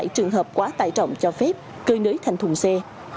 hai nghìn bốn trăm bảy mươi bảy trường hợp quá tải trọng cho phép cơi nới thành thùng xe